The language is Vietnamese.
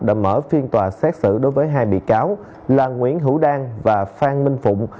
đã mở phiên tòa xét xử đối với hai bị cáo là nguyễn hữu đang và phan minh phụng